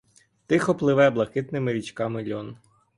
Тихо пливе блакитними річками льон.